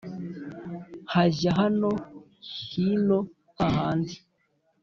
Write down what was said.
hajya hano niho hahandi